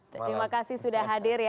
terima kasih sudah hadir ya